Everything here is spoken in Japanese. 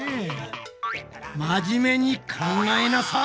真面目に考えなさい！